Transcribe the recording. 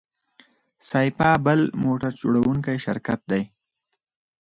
سایپا بل موټر جوړوونکی شرکت دی.